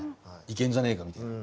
いけんじゃねえかみたいな。